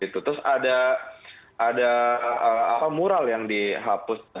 terus ada mural yang dihapus